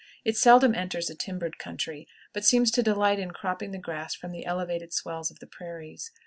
It seldom enters a timbered country, but seems to delight in cropping the grass from the elevated swells of the prairies.